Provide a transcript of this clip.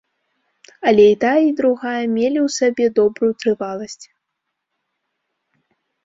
Але і тая, і другая мелі ў сабе добрую трываласць.